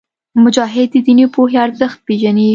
مجاهد د دیني پوهې ارزښت پېژني.